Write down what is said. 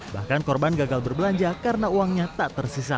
bahkan korban gagal berbelanja karena uangnya tak tersisa